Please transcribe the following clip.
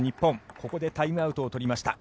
ここでタイムアウトを取りました。